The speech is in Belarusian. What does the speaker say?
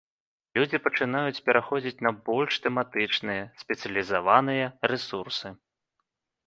Людзі пачынаюць пераходзіць на больш тэматычныя, спецыялізаваныя рэсурсы.